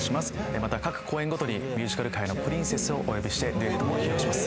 また各公演ごとにミュージカル界のプリンセスをお呼びしてデュエットも披露します